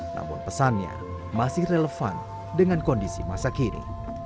namun pesannya masih relevan dengan kondisi masa kini